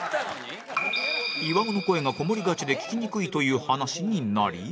岩尾の声がこもりがちで聞きにくいという話になり